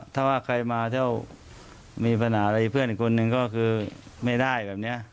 ถ้าว่าใครมาถ้ามีปัญหาอะไรเพื่อนอีกคนนึงก็คือไม่ได้แบบนี้